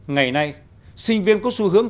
ngày nay sinh viên có xu hướng